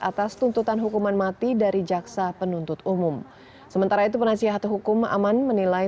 atas tuntutan hukuman mati dari jaksa penuntut umum sementara itu penasihat hukum aman menilai